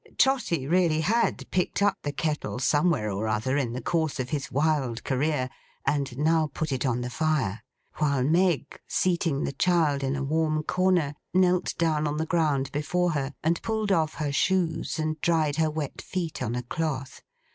Trotty really had picked up the kettle somewhere or other in the course of his wild career and now put it on the fire: while Meg, seating the child in a warm corner, knelt down on the ground before her, and pulled off her shoes, and dried her wet feet on a cloth.